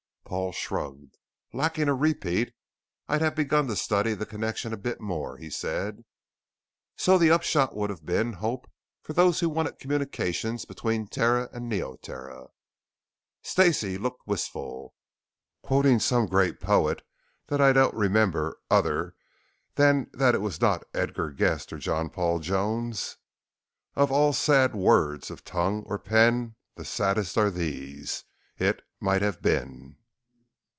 Paul shrugged: "Lacking a repeat, I'd have begun to study the connection a bit more," he said. "So the upshot would have been Hope for those who wanted communications between Terra and Neoterra." Stacey looked wistful. "Quoting some great poet that I don't remember other than that it was not Edgar Guest or John Paul Jones: "_Of all sad words of tongue or pen The saddest are these: It might have been!